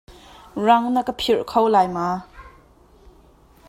Rang na ka phirh kho lai maw?